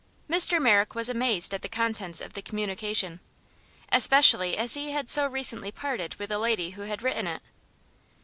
Mr. Merrick was amazed at the contents of the communication, especially as he had so recently parted with the lady who had written it.